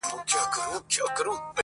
یوازې ورځ بدلېږي